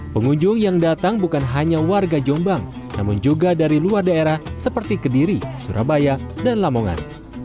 pengunjung yang datang bukan hanya warga jombang namun juga dari luar daerah seperti kediri surabaya dan lamongan